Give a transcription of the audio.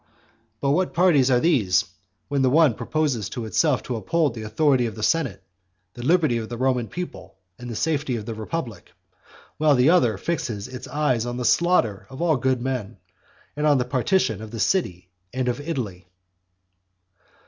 But what parties are these, when the one proposes to itself to uphold the authority of the senate, the liberty of the Roman people, and the safety of the republic, while the other fixes its eyes on the slaughter of all good men, and on the partition of the city and of Italy.